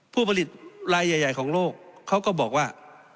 ผู้ผลิตรายใหญ่ของโลกเขาก็บอกว่า